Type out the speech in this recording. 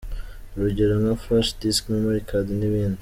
Urugero nka Flash disk, Memory Card, n’ibindi.